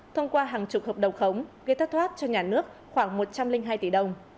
thông qua hàng chục hợp đồng khống gây thất thoát cho nhà nước khoảng một trăm linh hai tỷ đồng